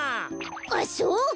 あっそうか！